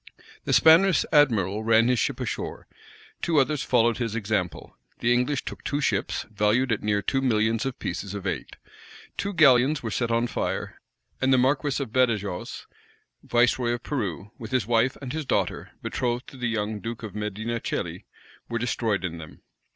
The Spanish admiral ran his ship ashore: two others followed his example: the English took two ships, valued at near two millions of pieces of eight. Two galleons were set on fire; and the marquis of Badajox, viceroy of Peru, with his wife, and his daughter, betrothed to the young duke of Medina Celi, were destroyed in them.